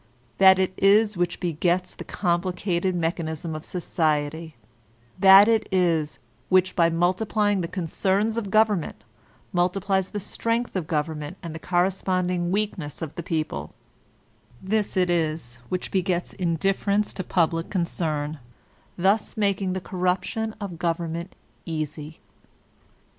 This it is which begets the complicated mechanism of society; this it is which, by multiplying the concerns of government, multiplies the strength of government and the corresponding weakness of the people ; this it is which begets indifference to public concern, thus making the corruption of government easy.